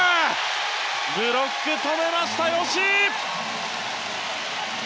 ブロック止めました吉井！